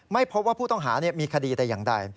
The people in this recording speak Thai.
ไม่พบว่าผู้ต้องหามีคดีแต่อย่างใด